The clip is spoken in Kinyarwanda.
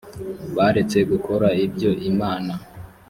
baretse gukora ibyo imana